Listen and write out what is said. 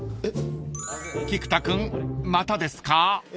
［菊田君またですか？］